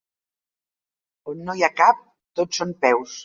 On no hi ha cap, tot són peus.